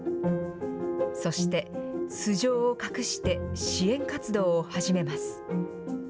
そして、素性を隠して支援活動を始めます。